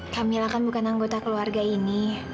kamila kan bukan anggota keluarga ini